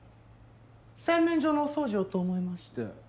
洗面所のお掃除をと思いまして。